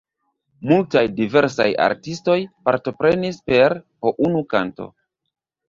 Multaj diversaj artistoj partoprenis per po unu kanto.